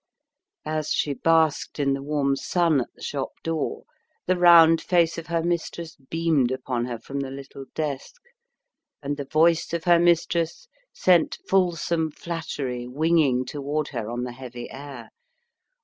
As she basked in the warm sun at the shop door, the round face of her mistress beamed upon her from the little desk, and the voice of her mistress sent fulsome flattery winging toward her on the heavy air.